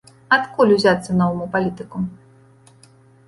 Адкуль узяцца новаму палітыку?